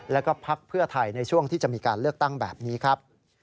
แล้วก็พักเพื่อไทยในช่วงที่จะมีการเลือกตั้งแบบนี้ครับ